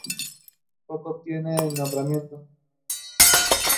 Paco obtiene el nombramiento